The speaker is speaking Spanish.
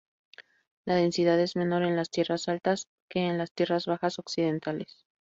La densidad es menor en las tierras altas que en las tierras bajas occidentales.